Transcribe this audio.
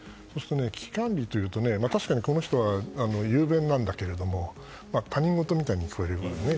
危機管理というと確かにこの人は雄弁なんだけど他人事みたいに聞こえるんだよね。